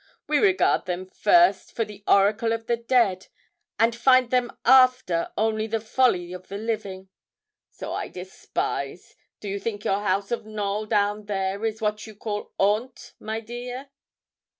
We regard them first for the oracle of the dead, and find them after only the folly of the living. So I despise. Do you think your house of Knowl down there is what you call haunt, my dear?'